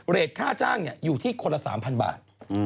เรทค่าจ้างเนี่ยอยู่ที่คนละ๓๐๐๐บาท